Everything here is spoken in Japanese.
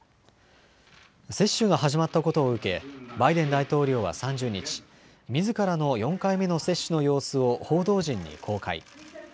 接種が始まったことを受けバイデン大統領は３０日、みずからの４回目の接種の様子を報道陣に公開。